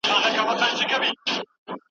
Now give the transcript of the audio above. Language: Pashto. بد اخلاق ځان يوازې کوي.